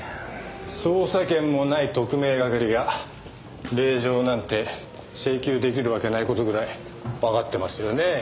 捜査権もない特命係が令状なんて請求出来るわけない事ぐらいわかってますよね？